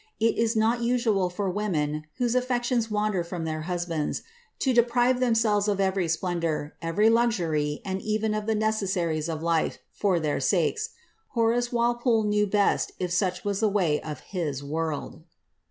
It is not usual for women whose aflee 1 tions wander from their husbands, to deprive themselves of every spki* ji dour, every luxury, and even of the necessaries of life, for their saksfci Horace Walpole knew best if such was the way of his world.